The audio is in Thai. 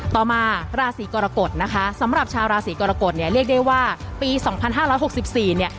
ต่อมาราศีกรกฎนะคะสำหรับชาวราศีกรกฎเนี่ยเรียกได้ว่าปี๒๕๖๔เนี่ย